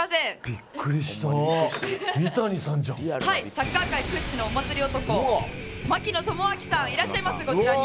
サッカー界屈指のお祭り男槙野智章さんいらっしゃいますこちらに。